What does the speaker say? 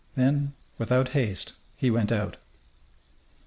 Then, without haste, he went out.